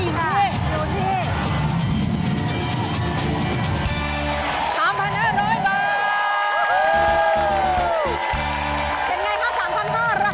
ราคาจำนำจากทางรายการเกมรับจำนำของเราในวันนี้อยู่ที่